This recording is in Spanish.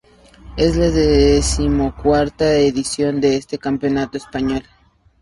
Es la decimocuarta edición de este campeonato español.